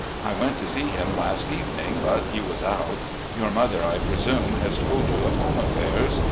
I went to see him last evening, but he was out. Your mother, I presume, has told you of home affairs.